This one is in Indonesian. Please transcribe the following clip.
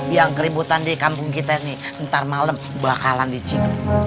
yang keributan di kampung kita ini ntar malam bakalan di cik